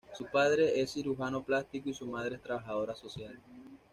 Su padre es cirujano plástico y su madre es trabajadora social.